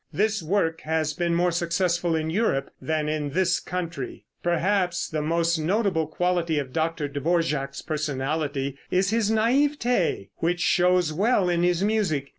This work has been more successful in Europe than in this country. Perhaps the most notable quality of Dr. Dvorak's personality is his naiveté, which shows well in his music.